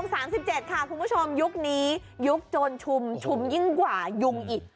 ตรง๓๗ค่ะคุณผู้ชมยุคนี้ยุคจนชุมชุมยิ่งกว่ายุงอิด